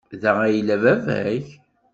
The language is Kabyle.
Da ay yella baba-k?